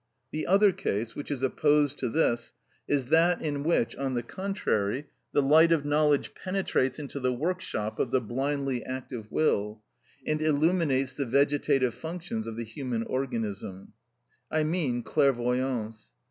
The other case, which is opposed to this, is that in which, on the contrary, the light of knowledge penetrates into the workshop of the blindly active will, and illuminates the vegetative functions of the human organism. I mean clairvoyance.